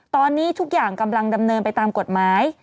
ตอนนี้ทุกอย่างกำลังดำเนินไปตามกฎหมาย